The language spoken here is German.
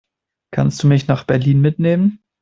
Kannst du mich nach Berlin mitnehmen?